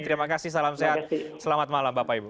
terima kasih salam sehat selamat malam bapak ibu